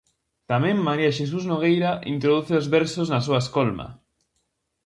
Tamén María Xesús Nogueira introduce os versos na súa escolma.